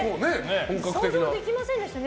想像できませんでしたね。